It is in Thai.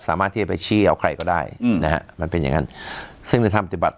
สามารถที่จะไปชี้เอาใครก็ได้อืมนะฮะมันเป็นอย่างซึ่งในท่าม